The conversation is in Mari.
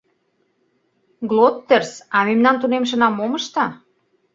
— Глоттерс, а мемнан тунемшына мом ышта?